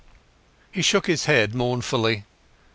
He shook his head mournfully.